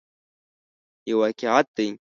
یو واقعیت دی.